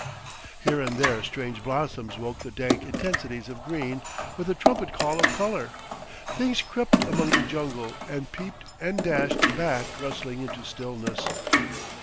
Here and there strange blossoms woke the dank intensities of green with a trumpet call of colour. Things crept among the jungle and peeped and dashed back rustling into stillness.